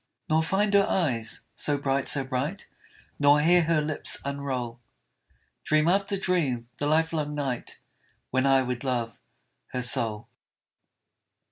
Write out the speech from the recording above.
Nor find her eyes so bright, so bright, Nor hear her lips unroll Dream after dream the lifelong night, When I would love her soul.